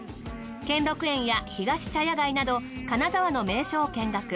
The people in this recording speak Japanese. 兼六園やひがし茶屋街など金沢の名所を見学。